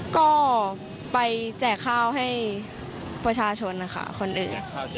ก็ไปแจกข้าวให้ประชาชนนะคะคนอื่น